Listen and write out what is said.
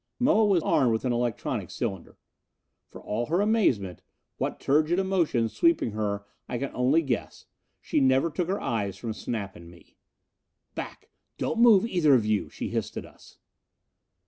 Moa was armed with an electronic cylinder. For all her amazement what turgid emotions sweeping her I can only guess she never took her eyes from Snap and me. "Back! Don't move, either of you!" She hissed it at us.